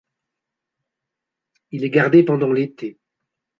Il est gardé pendant l'été.